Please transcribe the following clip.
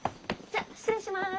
じゃ失礼します。